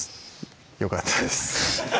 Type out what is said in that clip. よかったです